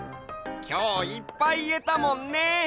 きょういっぱいいえたもんね。